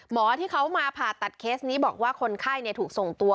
ที่เขามาผ่าตัดเคสนี้บอกว่าคนไข้ถูกส่งตัว